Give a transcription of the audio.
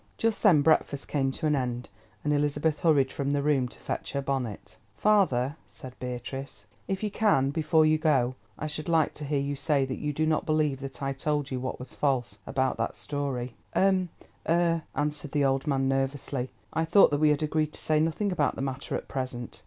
Just then breakfast came to an end, and Elizabeth hurried from the room to fetch her bonnet. "Father," said Beatrice, "if you can before you go, I should like to hear you say that you do not believe that I told you what was false—about that story." "Eh, eh!" answered the old man nervously, "I thought that we had agreed to say nothing about the matter at present."